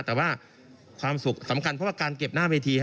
แต่ว่าความสุขสำคัญเพราะว่าการเก็บหน้าเวที